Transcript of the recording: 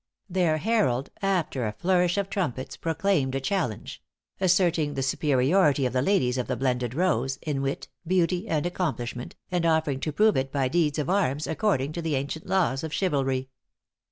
Their herald, after a flourish of trumpets, proclaimed a challenge; asserting the superiority of the ladies of the Blended Rose, in wit, beauty and accomplishment, and offering to prove it by deeds of arms according to the ancient laws of chivalry.